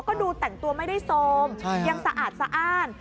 ก็ดูแต่งตัวไม่ได้โซมยังสะอาดสะอ้าน